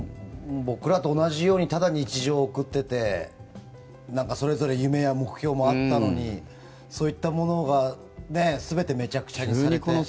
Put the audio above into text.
僕らと同じようにただ日常を送っててそれぞれ夢や目標もあったのにそういったものが全てめちゃくちゃにされて。